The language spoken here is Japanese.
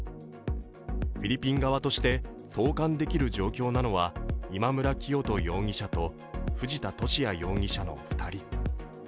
フィリピン側として送還できる状況なのは、今村磨人容疑者と藤田聖也容疑者の２人。